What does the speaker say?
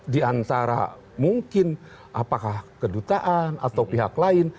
di antara mungkin apakah kedutaan atau pihak lain